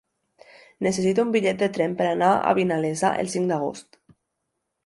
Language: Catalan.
Necessito un bitllet de tren per anar a Vinalesa el cinc d'agost.